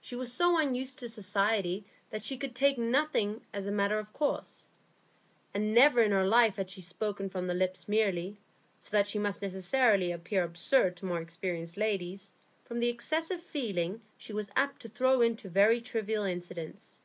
She was so unused to society that she could take nothing as a matter of course, and had never in her life spoken from the lips merely, so that she must necessarily appear absurd to more experienced ladies, from the excessive feeling she was apt to throw into very trivial incidents.